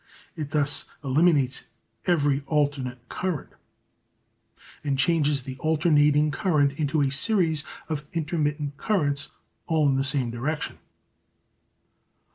It thus eliminates every alternate current and changes the alternating current into a series of intermittent currents all in the same direction.